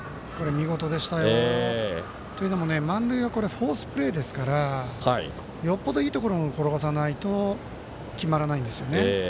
見事でしたよ。というのも満塁はフォースプレーですからよっぽどいいところに転がさないと決まらないんですよね。